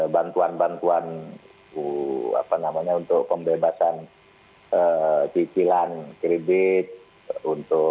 bantuan bantuan untuk pembebasan cicilan kredit